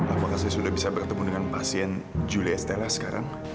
apakah saya sudah bisa bertemu dengan pasien julie estella sekarang